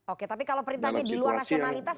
oke tapi kalau perintahnya di luar rasionalitas